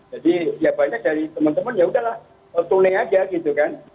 jadi ya banyak dari teman teman ya udahlah tunai aja gitu kan